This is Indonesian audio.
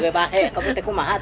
tunggu jadinya pahit